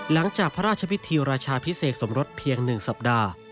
หลังจากพระราชพิธีราชาพิเศษสมรสเพียง๑สัปดาห์